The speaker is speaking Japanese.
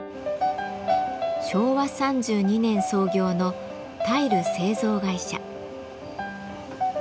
昭和３２年創業のタイル製造会社。